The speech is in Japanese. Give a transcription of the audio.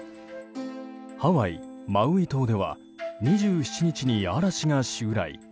ハワイ・マウイ島では２７日に嵐が襲来。